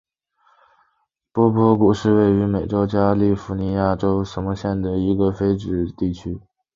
波普谷是位于美国加利福尼亚州纳帕县的一个非建制地区。